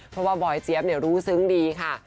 เพราะว่าบอยเจี๊ยบรู้ซึ้งดีค่ะ